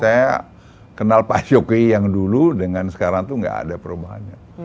saya kenal pak jokowi yang dulu dengan sekarang itu nggak ada perubahannya